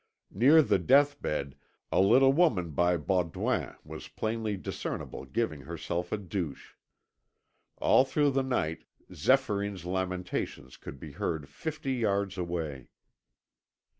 Near the deathbed a little woman by Baudouin was plainly discernible giving herself a douche. All through the night Zéphyrine's lamentations could be heard fifty yards away.